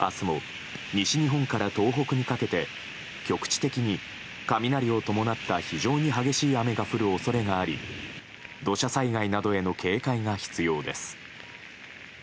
明日も西日本から東北にかけて局地的に雷を伴った非常に激しい雨が降る恐れがあり土砂災害などへの警戒が必要です。